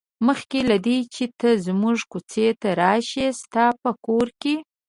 مخکې له دې چې ته زموږ کوڅې ته راشې ستا په کور کې.